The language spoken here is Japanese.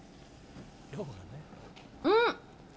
うん！